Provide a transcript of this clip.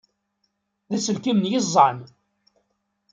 D aselkim n yiẓẓan!